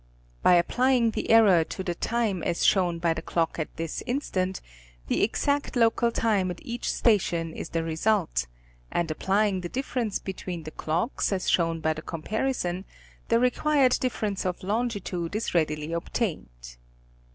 By applying the error to the time as shown by the clock at this instant, the exact local time at each station is the result, and applying the difference between the clocks as shown by the comparison, the required difference of longitude is readily obtained.